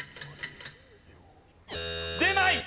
出ない！